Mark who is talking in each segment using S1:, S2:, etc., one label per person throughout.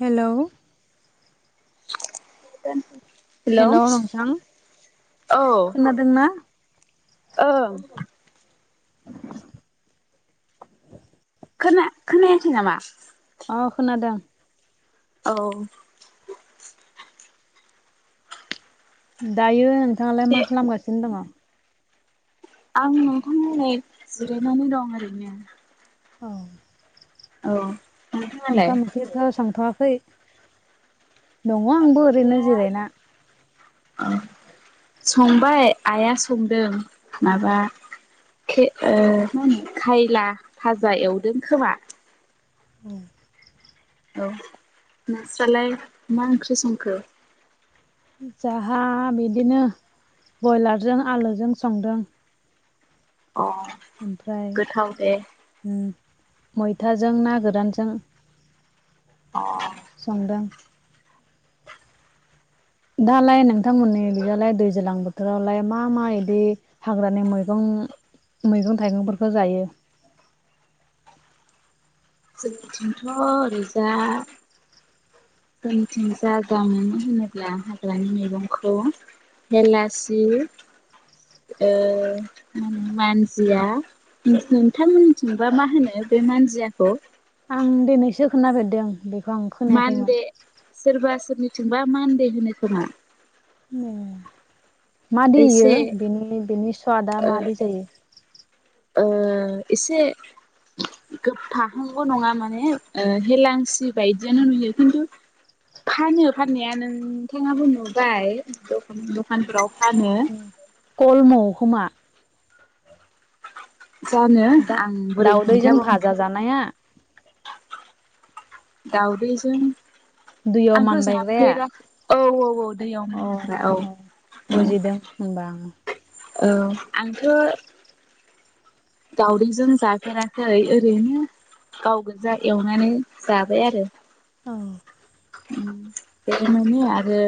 S1: Hello
S2: hello
S1: hello
S2: औ
S1: दोंना
S2: ओं खोना खोनायाखै नामा?
S1: अ खोनादों।
S2: औ
S1: दायो नोंथाङालाय
S2: दे
S1: मा खालामगासिनो दङ?
S2: आं नोंथां ओरै जिरायनानै दं ओरैनो
S1: औ
S2: औ नोंथाङालाय?
S1: ओंखाम ओंख्रिथ' संथ'वाखै दङ आंबो ओरैनो
S2: ओंख्रिया
S1: जिरायना।
S2: संबाय आइआ संदों माबा ओ खायला भाजा एवदों खोमा।
S1: औ
S2: औ नोंस्रालाय मा ओंख्रि संखो?
S1: जाहा बिदिनो बयलारजों आलुजों संदों।
S2: अ
S1: ओमफ्राय
S2: गोथाव दे
S1: मैथाजों ना गोरानजों
S2: अ
S1: संदों दालाय नोंथांमोननि बिजालाय दैज्लां बोथोरावलाय मा मा इदि हाग्रानि मैगं मैगं थाइगंफोरखौ जायो।
S2: जोंनिथिंथ' ओरैजा जोंथिं जा जा मोनो होनोब्ला हाग्रानि मैगंखौ हेलासि ओ मान्जिया नोंथांमोननिथिंबा मा होनो बे मानजियाखौ
S1: आं दिनैसो खोनाफेरदों बे
S2: मानदे सोरबा सोरनिथिंबा मानदे होनो खोमा
S1: ए मादि
S2: एसे
S1: इयो बेनि बेनि सुवादा
S2: ओ
S1: मादि जायो।
S2: ओ इसे गोफाहांबो नंङा माने हेलांसि बायदियानो नुयो खिन्थु फानो फाननाया नोंथांङाबो नुबाय दखानफोराव फानो
S1: गलमु खोमा
S2: जानो
S1: दा
S2: आं बोरै
S1: दाउदैजों
S2: खोन्थाबावनो
S1: भाजा जानाया
S2: दावदैजों
S1: दैयाव
S2: आंथ'
S1: मानबायग्राया
S2: जाफेराखै औ औ औ दैयाव
S1: अ
S2: मोनग्रा औ औ
S1: [unintelligible]
S2: औ आंथ' दावदैजों जाफेराखै ओरैनो गाव गोजा एवनानै जाबाय आरो
S1: औ
S2: बेनोमोन आरो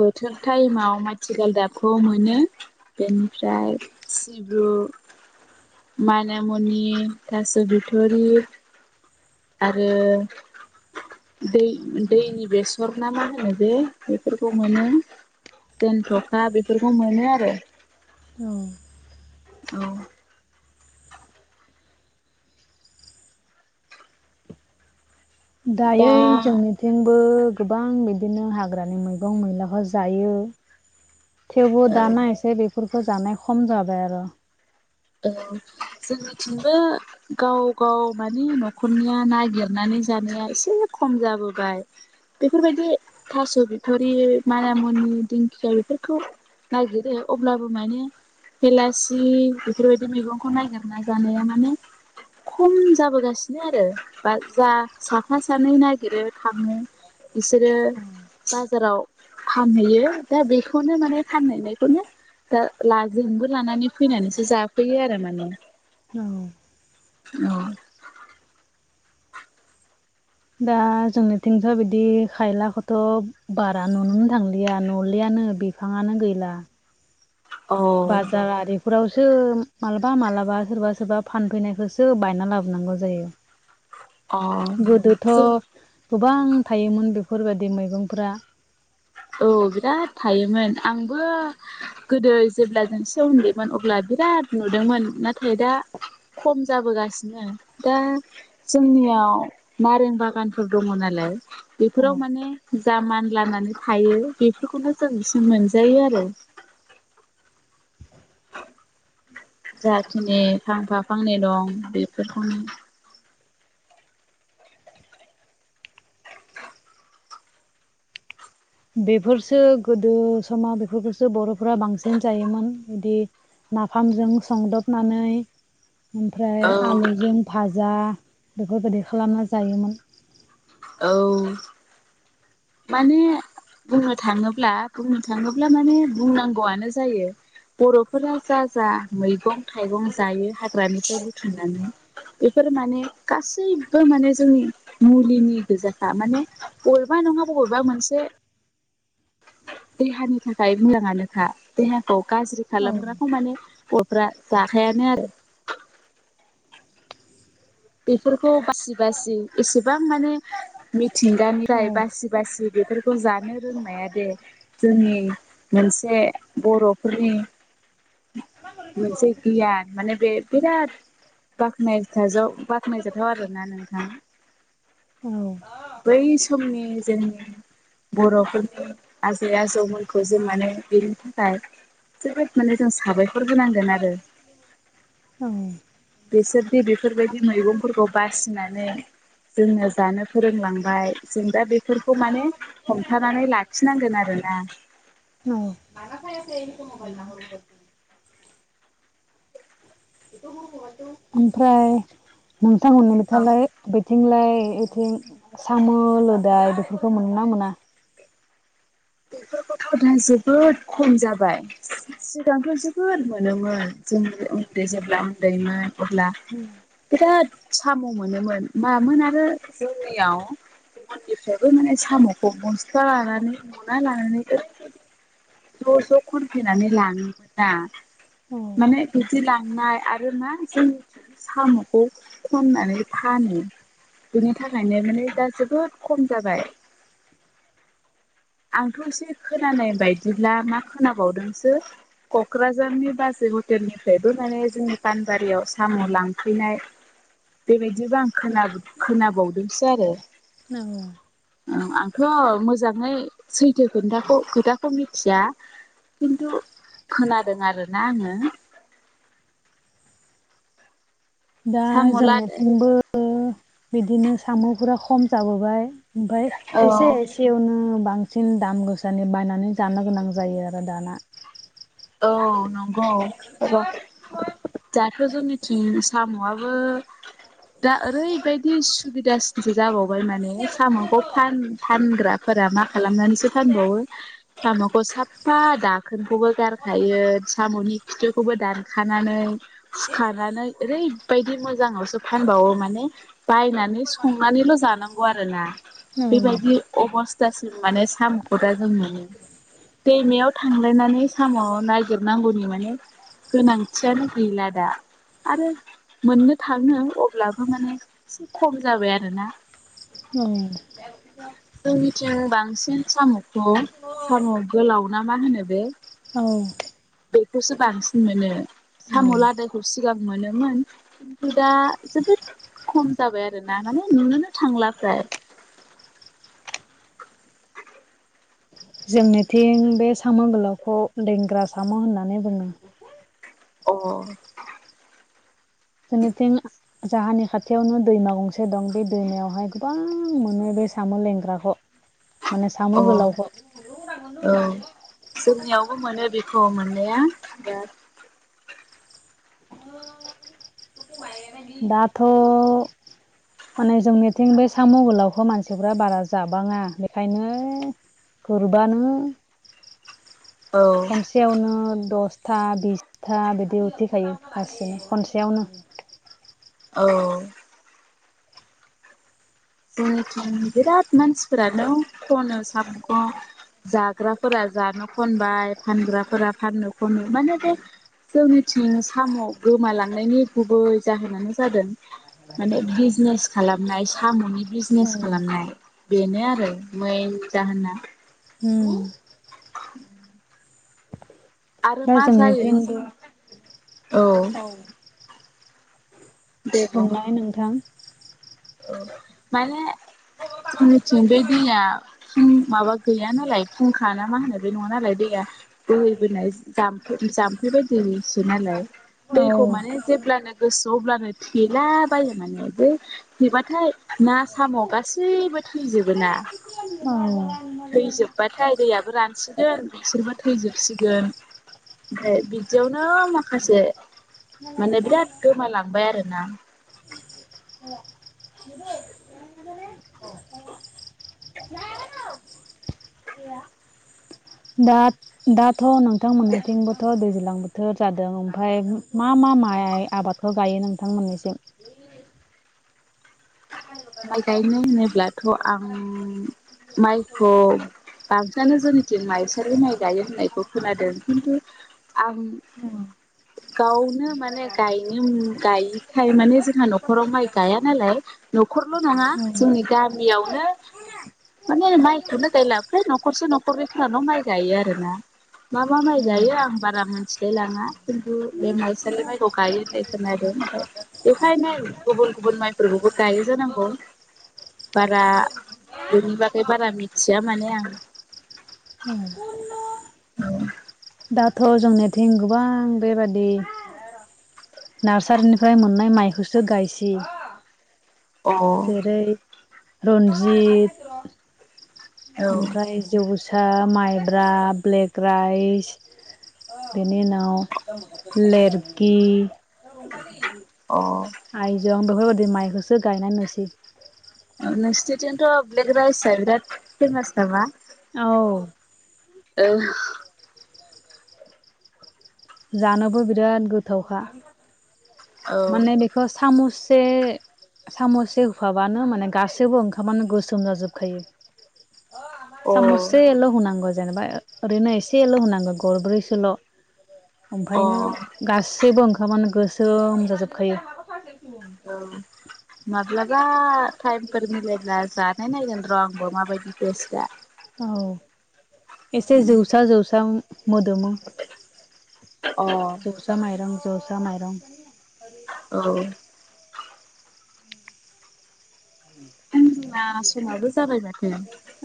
S2: बोथोर टाइमाव माथिखाल गालदाबखौ मोनो बेनिफ्राय सिब्रु मानामुनि थास' बिथुरि आरो दै दैनि बेसर ना मा होनो बे बेफोरखौ मोनो जेन थ'खा बेफोरखौ मोनो आरो
S1: औ
S2: औ दा
S1: दायो जोंनि जोंबो गोबां बिदिनो हाग्रानि मैगं मैलाखौ जायो। थेवबो
S2: ओ
S1: दाना एसे बेफोरखौ जानाय खम जाबाय आरो
S2: औ जोंनिथिंबो गाव गाव माने न'खरनिया नागिरनानै जानाया एसे खम जाबोबाय बेफोरबायदि थास' बिथरि मानामुनि दिंखिया बेफोरखौ नागिरो अब्लाबो माने हेलासि बेफोरबायदि मैगंखौ नागिरना जानाया माने खम जाबोगासिनो आरो बा जा साफा सानै नागिरो थांङो। इसोरो बाजाराव फानहैयो दा बेखौनो माने फानहैनायखौनो दा ला जोंबो लानानै फैनानैसो जाफैयो आरो माने
S1: औ
S2: औ
S1: दा जोंनिथिंथ' बिदि खायलाखौथ' बारा नुनोनो थांलिया नुलियानो बे बिफांङानो गैला
S2: औ
S1: बाजार आरि न फोरावसो मालाबा मालाबा सोरबा सोरबा फानफैनायखौसो बायना लाबोनांगौ
S2: अ
S1: जायो गोदोथ' गोबां थायोमोन बेफोरबायदि मैगंफ्रा
S2: औ बिराद थायोमोन आंबो गोदो जेब्ला जों एसे उन्दैमोन अब्ला बिराद नुदोंमोन नाथाय दा खम जाबोगासिनो दा जोंनियाव नारें बागानफोर दङ नालाय बेफोराव माने जा मान लानानै थायो बेफोरखौनो जों एसे मोनजायो आरो जाखिनि फांफाफांनै दं बेफोरखौनो
S1: बेफोरसो गोदो समाव बेफोरखौसो बर'फोरा बांसिन जायोमोन बिदि नाफामजों संदबनानै ओमफ्राय आलुजों भाजा बेफोरबायदि खालामना जायोमोन
S2: औ माने बुंनो थाङोब्ला बुंनो थाङोब्ला माने बुंनांगौआनो जायो बर'फोरा जा जा मैगं थाइगं जायो हाग्रानिफ्राय बुथुमनानै बेफोर माने गासैबो माने जोंनि मुलिनि गोजाखा माने बबेबा नङा बबेबा मोनसे देहानि थाखाय मोजाङानोखा देहाखौ गाज्रि
S1: औ
S2: खालामग्रा माने गथफ्रा जाखायानो आरो बेफोरखौ बासि बासि एसेबां माने
S1: औ
S2: मिथिंगानिफ्राय बासि बासि बेफोरखौ जानो रोंनाया दे जोंनि मोनसे बर'फोरनि मोनसे गियान माने बे बिराद बाख्नायथाजाव बाख्नायजाथाव आरोना नोंथां
S1: औ
S2: बै समनि जोंनि बर'फोरनि आजै आजौमोनखौ जों माने बेनि थाखाय जोबोद माने जों साबायखर होनांगोन आरो
S1: औ
S2: बिसोरदि बेफोरबायदि मैगंफोरखौ बासिनानै जोंङो जानो फोरोंलांबाय जों दा बेफोरखौ माने हमथानानै लाखिनांगोन आरोना
S1: [unintelligible] ओमफ्राय नोंथांमोननि
S2: औ
S1: बिथालाय बेैथिंलाय बेथिं साम' लोदाय बेफोरखौ मोनोना मोना
S2: बेथ' दा जोबोद खम जाबाय सिगांथ' जोबोद मोनोमोन जों उन्दै जेब्ला उन्दैमोन अब्ला बिराद साम' मोनोमोन मामोन आरो जोंनियाव मन्दनिफ्रायबो माने साम'खौ बस्थु लानानै हना लानानै ज' ज' खनफैनानै लाङोमोन दा
S1: औ
S2: माने बिदि लांनाय आरो मा जों साम'खौ खननानै फानो बिनि थाखायनो माने दा जोबोद खम जाबाय आंथ' एसे खोनानाय बायदिब्ला मा खोनाबावदोंसो क'क्राझारनि बाजै हटेलनिफ्रायबो माने जोंनि पानबारियाव साम' लांफैनाय बेबायदिबो आं खोन खोनाबावदोंसो आरो
S1: औ
S2: औ आंथ' मोजाङै सैथो खोनथाखौ खोथाखौ मिथिया खिन्थु खोनादों आरो ना आङो
S1: दा
S2: साम' लादाय
S1: जोंथिंबो बिदिनो साम'फोरा खम जाबोबाय ओमफाय
S2: औ
S1: एसे ए सेनो बांसिन दाम गोसानि बायनानै जानो गोनां जायो आरो दाना
S2: औ नंगौ [unintelligible] दाथ' जोंनिथिं साम'आबो दा ओरैबायदि सुबिदासिनसो जाबावबाय माने साम'खौ फान फानग्रा फोर मा खालामनानैसो फानबावो साम'खौ साफा दाखोनखौबो गार खायो साम'नि खिथिुखौबो दानखानानै सुखानानै ओरै बायदि मोजाङावसो फानबावो माने बायनानै संनानैल' जानांगौ आरोना
S1: औ
S2: बेबायदि अबस थासि माने सामखौ दा जों मोनो दैमायाव थांलायनानै साम' नागिरनांगौनि माने गोनांथियानो गैला दा आरो मोननो थाङो अब्लाबो माने एसे खम जाबाय आरोना
S1: उम
S2: जोंनिथिं बांसिन साम'खौ साम' गोलाव ना मा होनो बे
S1: औ
S2: बेखौसो बांसिन मोनो साम'
S1: औ
S2: लादायखौ सिगां मोनोमोन खिन्थु दा जोबोद खम जाबाय आरोना माने नुनोनो थांला फ्राय
S1: जोंनिथिं बे साम' गोलावखौ लेंग्रा साम' होननानै बुङो
S2: अ
S1: जोंनिथिं जोंहानि खाथियावनो दैमा गंसे दं बे दैमायावहाय गोबां मोनो बे साम' लेंग्राखौ माने
S2: अ
S1: साम' गोलावखौ
S2: औ जोंनियावबो मोनो बेखौ मोननाया दा
S1: दाथ' माने जोंनिथिं बे साम' गोलावखौ मानसिफ्रा बारा जाबाङा बेखायनो गुरबानो
S2: औ
S1: खनसेयावनो दसथा बिसथा बिदि उथिखायो फारसे खनसेयावनो
S2: औ जोंनिथिं बिराद मानसिफोरानो खनो साम'खौ जाग्राफोरा जानो खनबाय फानग्राफोरा फाननो खनो माने बे जोंनिथिं साम' गोमालांनायनि गुबै जाहोनानो जादों माने बिजनेस खालामनाय साम'नि बिजनेस खालामनाय बेनो आरो मैन जाहोना
S1: उम
S2: आरो
S1: दा
S2: मा जायो
S1: जोंनिथिंबो
S2: जोंना औ दे बुं
S1: बुंंनाय नोंथां
S2: औ माने जोंनिथिं बे दैया फुं माबा गैया नालाय फुंखा ना मा होननाय बे नङा नालाय दैया बोहैबोनाय जामफै जामफै बायदि सो नालाय
S1: औ
S2: दैखौ माने जेब्लानो गोसो अब्लानो थेला बायो माने बै थेबाथाय ना साम' गासैबो थैजोबो ना
S1: औ
S2: थैजोबबाथाय दैयाबो रानसिगोन बिसोरबो थैजोबसिगोन ओमफ्राय बिदियावनो माखासे माने बिराद गोमालांबाय आरोना
S1: [unintelligible] [unintelligible] दाथ' नोंथांमोनथिंबोथ' दैज्लां बोथोर जादों ओमफ्राय मा मा माइ आबाद औ गायो नोंथां मोननैसिम
S2: माइ गायनो होनोब्लाथ' आं माइखौ बांसिनानो जोंनिथिन माइसालि माइ गायो होननायखौ खोनादों खिन्थु आं गावनो माने गायनो गायिखाय माने जोंहा न'खराव माइ गाया नालाय नख न'खरल' नंङा जोंनि गामियावनो माने माइखौनो गायला फ्राय न'खरसे न'खरनैफोराल' माइ गायो आरो ना मा मा माइ गायो आं बारा मिनथिलाय लाङा खिन्थु बे माइसालि माइखौ गायोनो होननाय दं ओमफ्राय बेखायनो गुबुन गुबुन माइफोरखौबो गायो जोनांगौ बारा बेनि बागै बारा मिथिया माने आं
S1: औ [inaudible]
S2: औ
S1: दाथ' जोंनिथिं गोबां बेबादि नार्सारिनिफ्राय मोननाय माइखौसो गायसि
S2: अ
S1: जेरै रन्जित ओमफ्राय जौसा माइब्रा ब्लेक राइस बिनि उनाव लेरखि [inaudible]
S2: अ
S1: आयजं बेफोर बायदि माइखौसो गायनानै नुसै
S2: नोंसिनिथिंथ' ब्लेक राइसआ बिराद फेमास नामा
S1: औ
S2: ओं
S1: जानोबो बिराद गोथावखा माने बेखौ सामुससे साम'ससे होफाबानो माने गासैबो ओंखामानो गोसोम जाजोबखायो [inaudible]
S2: औ अ
S1: सामुससेल हुनांगौ जेनेबा ओरैनो एसेल' होनांगौ गरब्रैसोल'
S2: अ
S1: ओमफ्रायनो गासैबो ओंखामानो गोसोम जाजोबखायो
S2: औ माब्लाबा टाइमफोर मिलायब्ला जा नायगोन र' आंबो माबायदि टेस्टआ
S1: औ एसे जौसा जौसा मोदोमो
S2: अ
S1: जौसा माइरं जौसा माइरं
S2: औ [unintelligible] समाबो जाबाय माथो।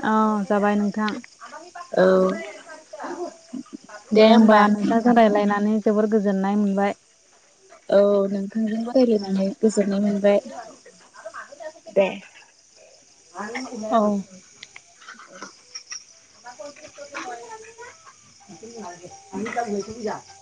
S1: औ जाबाय नोंथां।
S2: औ
S1: दे होमबा नोंथां रायजलायनानै जोबोर गोजोननाय मोनबाय।
S2: औ नोंथांजों रायलायनानै गोजोननाय मोनबाय दे।
S1: औ। [unintelligible] [unintelligible]